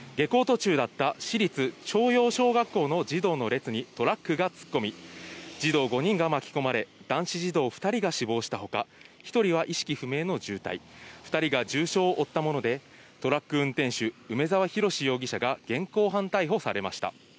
この事故は昨日午後３時半頃、千葉県八街市で下校途中だった市立朝陽小学校の児童の列にトラックが突っ込み、児童５人が巻き込まれ、男子児童２人が死亡したほか１人は意識不明の重体、２人が重傷を負ったものでトラック運転手・梅沢洋容疑者が現行犯逮捕されました。